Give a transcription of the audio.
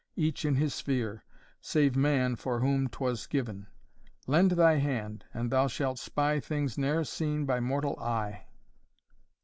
Each in his sphere, Save man for whom 'twas giv'n: Lend thy hand, and thou shalt spy Things ne'er seen by mortal eye."